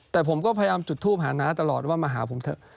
แต่ผมก็พยายามจุดทูปหาน้าตลอดว่ามาหาผมเถอะ